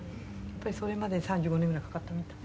やっぱりそれまで３５年ぐらいかかったみたい。